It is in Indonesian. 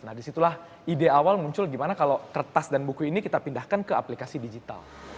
nah disitulah ide awal muncul gimana kalau kertas dan buku ini kita pindahkan ke aplikasi digital